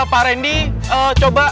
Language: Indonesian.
pak rendi coba